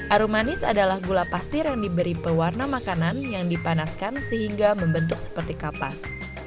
aru manis adalah gula pasir yang diberi pewarna makanan yang dipanaskan sehingga membentuk seperti kapas